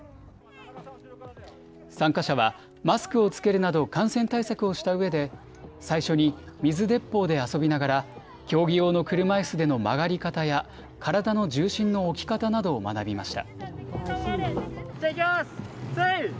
参加者はマスクを着けるなど感染対策をしたうえで最初に水鉄砲で遊びながら競技用の車いすでの曲がり方や体の重心の置き方などを学びました。